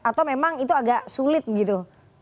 atau memang itu agak sulit gitu